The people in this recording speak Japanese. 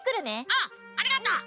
うんありがとう！